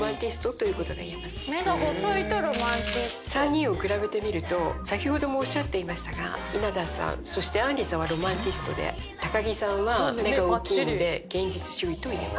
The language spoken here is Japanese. ３人を比べてみると先ほどもおっしゃってましたが稲田さんそしてあんりさんはロマンティストで高木さんは目が大きいので現実主義といえます。